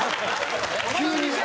急に。